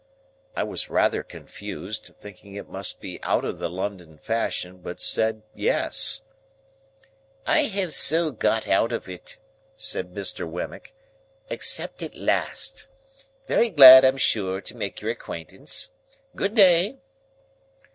I was rather confused, thinking it must be out of the London fashion, but said yes. "I have got so out of it!" said Mr. Wemmick,—"except at last. Very glad, I'm sure, to make your acquaintance. Good day!"